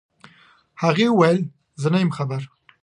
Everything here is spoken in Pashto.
هغې وويل زه نه يم خبر.